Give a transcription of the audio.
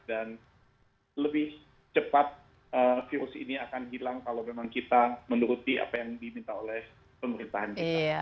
dan lebih cepat virus ini akan hilang kalau memang kita menuruti apa yang diminta oleh pemerintahan kita